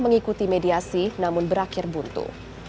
mengikuti mediasi namun berakhir buntu